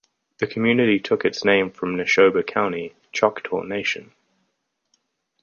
The community took its name from Nashoba County, Choctaw Nation.